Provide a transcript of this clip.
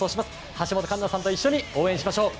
橋本環奈さんと一緒に応援しましょう。